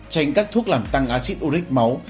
tránh các thuốc làm tăng acid uric máu